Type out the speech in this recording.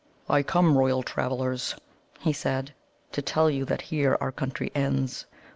"I come, Royal Travellers," he said, "to tell you that here our country ends.